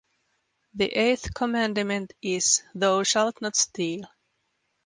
The eighth commandment is, Thou shalt not steal.